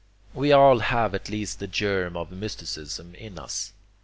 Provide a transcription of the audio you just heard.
We all have at least the germ of mysticism in us.